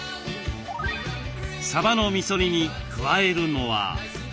さばのみそ煮に加えるのは。